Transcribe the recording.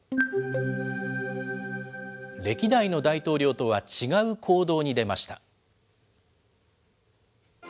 歴代の大統領とは違う行動に出ました。